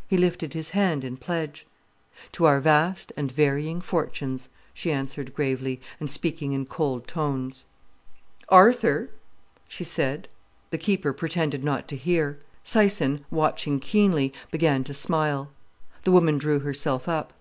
'" He lifted his hand in pledge. "'To our vast and varying fortunes,'" she answered gravely, and speaking in cold tones. "Arthur!" she said. The keeper pretended not to hear. Syson, watching keenly, began to smile. The woman drew herself up.